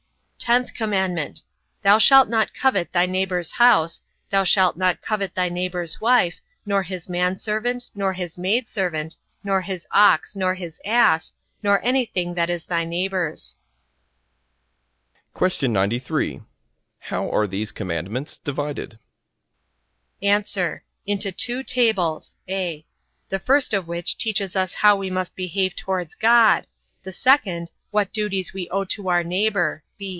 10th commandment: Thou shalt not covet thy neighbour's house, thou shalt not covet thy neighbour's wife, nor his manservant, nor his maidservant, nor his ox, nor his ass, nor any thing that is thy neighbour's. Q. 93. How are these commandments divided? A. Into two tables; (a) the first of which teaches us how we must behave towards God; the second, what duties we owe to our neighbour.